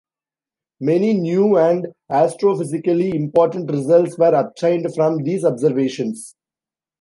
Many new and astrophysically important results were obtained from these observations.